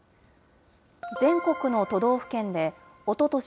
全国の都道府県で、おととし